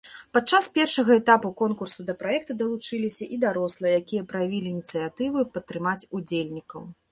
Падчас першага этапу конкурсу да праекта далучыліся і дарослыя, якія праявілі ініцыятыву падтрымаць удзельнікаў.